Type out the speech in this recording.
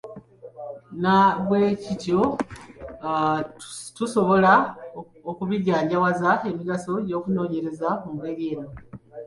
Na bwe kityo tusobola okubinjawaza emigaso gy’okunoonyereza mu ngeri eno: